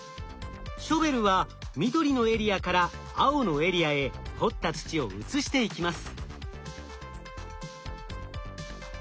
ショベルは緑のエリアから青のエリアへ掘った土を移していきます。